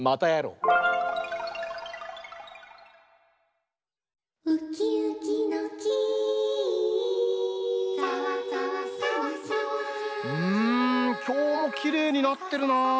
うんきょうもきれいになってるなあ。